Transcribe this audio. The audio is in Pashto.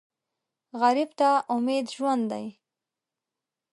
غریب ته امید ژوند دی